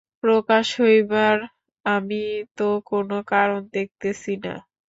প্রকাশ হইবার আমি তো কোনো কারণ দেখিতেছি না।